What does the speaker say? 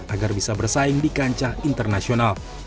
agar bisa bersaing di kancah internasional